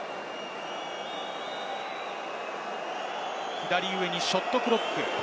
左上にショットクロック。